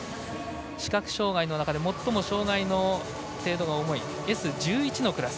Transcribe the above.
視覚障がいの中で最も障がいの程度が重いＳ１１のクラス。